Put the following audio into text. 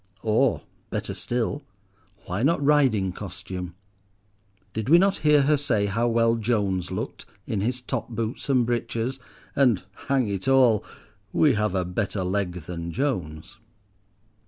Or, better still, why not riding costume? Did we not hear her say how well Jones looked in his top boots and breeches, and, "hang it all," we have a better leg than Jones.